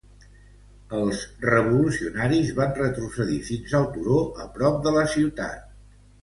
Els revolucionaris van retrocedir fins al turó a prop de la ciutat.